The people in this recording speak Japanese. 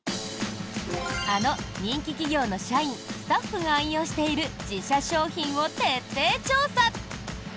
あの人気企業の社員・スタッフが愛用している自社商品を徹底調査！